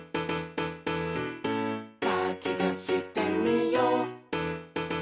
「かきたしてみよう」